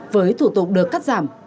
với thủ tục được cắt giảm